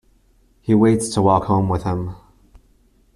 He waits to walk home with him.